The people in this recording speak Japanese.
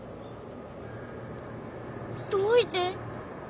どういて？